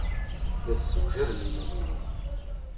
La tessewjadem iman-nwen.